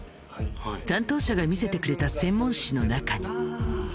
担当者が見せてくれた専門誌の中に。